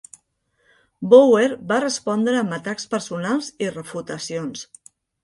Bower va respondre amb atacs personals i refutacions.